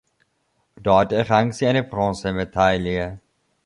Dort errang sie eine Bronzemedaille.